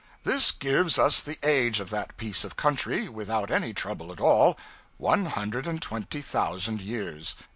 This gives us the age of that piece of country, without any trouble at all one hundred and twenty thousand years.